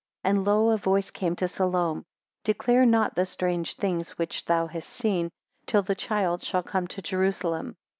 30 And lo! a voice came to Salome. Declare not the strange things which thou hast seen, till the child shall come to Jerusalem.